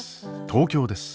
東京です。